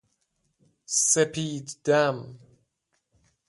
سپید دم